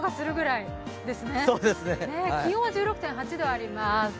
気温は１６．８度あります。